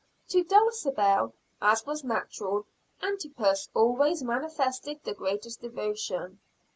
To Dulcibel, as was natural, Antipas always manifested the greatest devotion.